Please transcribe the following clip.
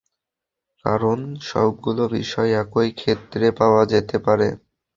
কারণ সবগুলো বিষয় একই ক্ষেত্রে পাওয়া যেতে পারে।